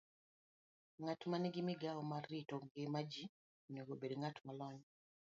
Ng'at ma nigi migawo mar rito ngima ji onego obed ng'at molony